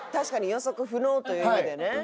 予測不能という意味でね。